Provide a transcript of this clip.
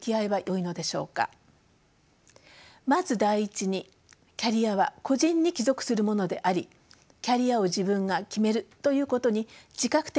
まず第１にキャリアは個人に帰属するものでありキャリアを自分が決めるということに自覚的になることが重要です。